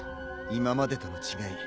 今までとの違い